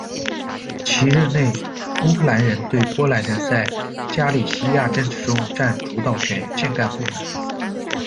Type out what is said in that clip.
其任内，乌克兰人对波兰人在加利西亚政治中占主导权渐感不满。